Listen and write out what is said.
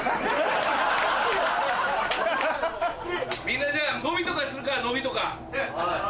みんなじゃあ伸びとかするか伸びとか。